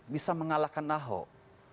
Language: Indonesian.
bisa mengalahkan nahok